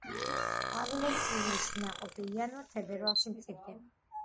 ყვავილობს ივლისში, ნაყოფი იანვარ-თებერვალში მწიფდება.